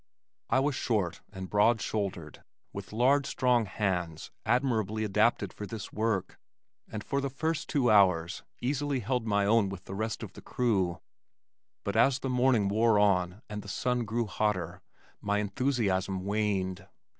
I was short and broad shouldered with large strong hands admirably adapted for this work, and for the first two hours, easily held my own with the rest of the crew, but as the morning wore on and the sun grew hotter, my enthusiasm waned.